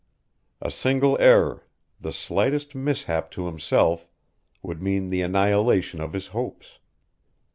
A single error, the slightest mishap to himself, would mean the annihilation of his hopes.